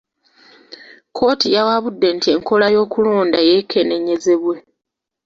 Kkooti yawabudde nti enkola y'okulonda yekenneenyezebwe.